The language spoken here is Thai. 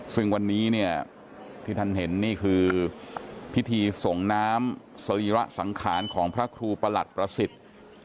ซึ่งวันนี้เนี่ยที่ท่านเห็นนี่คือพิธีส่งน้ำสรีระสังขารของพระครูประหลัดประสิทธิ์